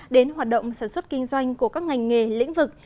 đến hoạt động sản xuất kinh doanh của các ngành nghề lĩnh vực